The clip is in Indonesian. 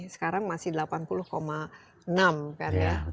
sekarang masih delapan puluh enam kan ya